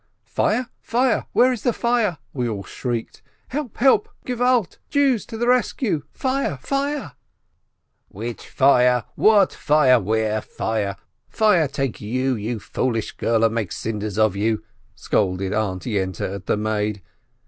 "Fire? fire? Where is the fire?" we all shrieked. "Help ! help ! Gewalt, Jews, to the rescue, fire, fire !" "Which fire ? what fire ? where fire ?! Fire take you, you foolish girl, and make cinders of you!" scolded Aunt Yente at the maid.